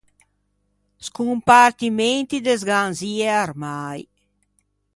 Scompartimenti de sganzie e armäi.